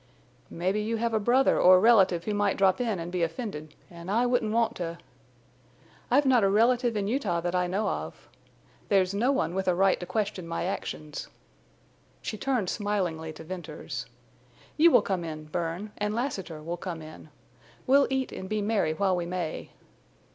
"Mebbe you have a brother or relative who might drop in an' be offended, an' I wouldn't want to—" "I've not a relative in Utah that I know of. There's no one with a right to question my actions." She turned smilingly to Venters. "You will come in, Bern, and Lassiter will come in. We'll eat and be merry while we may."